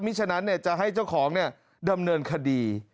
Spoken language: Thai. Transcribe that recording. ฉะนั้นจะให้เจ้าของดำเนินคดี